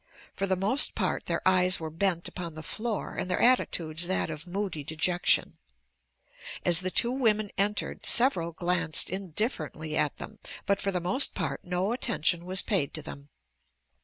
For the most part their eyes were bent upon the floor and their attitudes that of moody dejection. As the two women entered several glanced indifferently at them, but for the most part no attention was paid to them.